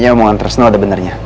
kayanya omongan tersebut ada benernya